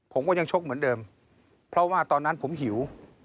ผมก็ยังชกเหมือนเดิมเพราะว่าตอนนั้นผมหิว